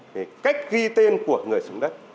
về cách ghi tên của người sử dụng đất